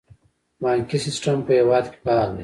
بانکي سیستم په هیواد کې فعال دی